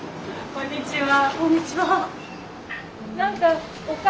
こんにちは。